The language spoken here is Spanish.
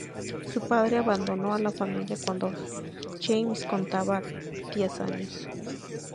Su padre abandonó a la familia cuando James contaba diez años.